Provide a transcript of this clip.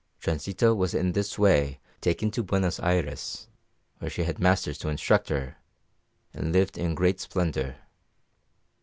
Transita was in this way taken to Buenos Ayres, where she had masters to instruct her, and lived in great splendour.